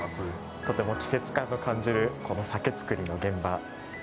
とても季節感を感じるこの酒造りの現場。